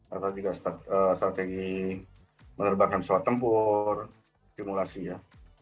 atau juga strategi menerbangkan pesawat tempur simulasi ya